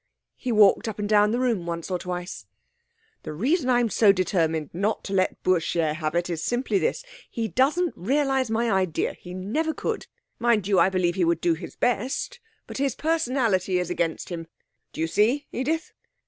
He walked up and down the room once or twice. 'The reason I'm so determined not to let Bourchier have it is simply this: he doesn't realise my idea he never could. Mind you, I believe he would do his best, but his Personality is against him. Do you see, Edith?'